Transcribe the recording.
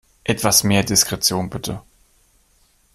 Etwas mehr Diskretion, bitte!